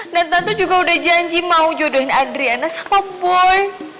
dan tante juga udah janji mau jodohin adriana sama boy